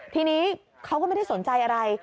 ทีนี้เขาก็ไม่ได้สนใจอะไร